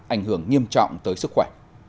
ảnh hưởng nghiêm trọng tới sức khỏe